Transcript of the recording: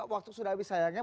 waktu sudah habis sayangnya